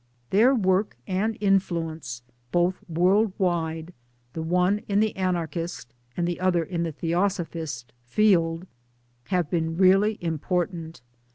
Their work and influence, both worldwide the one in the Anarchist, and the other in the Theosophist, field have been really important.